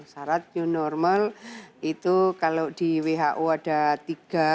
syarat new normal itu kalau di who ada tiga